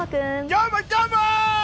どーも、どーも！